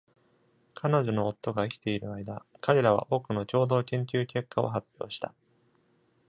彼女の夫が生きている間、彼らは多くの共同研究結果を発表した。